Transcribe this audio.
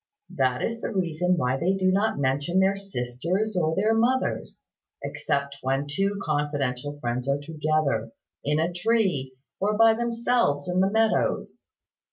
That is the reason why they do not mention their sisters or their mothers except when two confidential friends are together, in a tree, or by themselves in the meadows.